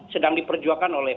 sedang diperjuangkan oleh